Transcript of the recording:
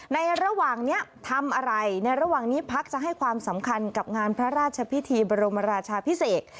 ในระหว่างนี้ทำอะไรในระหว่างนี้พักจะให้ความสำคัญกับงานพระราชพิธีบรมราชาพิเศษ